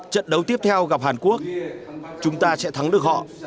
trận đấu tiếp theo gặp hàn quốc chúng ta sẽ thắng được họ